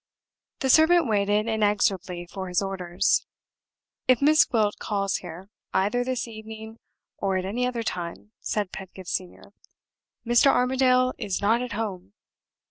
The servant waited inexorably for his orders. "If Miss Gwilt calls here, either this evening, or at any other time," said Pedgift Senior, "Mr. Armadale is not at home.